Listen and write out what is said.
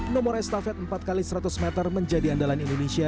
nomor estafet empat x seratus meter menjadi andalan indonesia